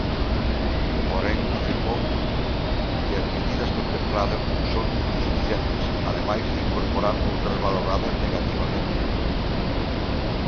Porén, afirmou que as medidas contempladas son "insuficientes" ademais de "incorporar outras valoradas negativamente".